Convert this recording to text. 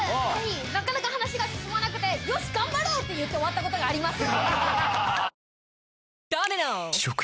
なかなか話が進まなくてよし頑張ろう！って言って終わったことがあります。